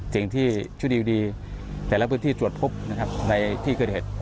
สิ่งที่ชุดดีแต่ละพื้นที่สวดพบในที่เกิดเห็น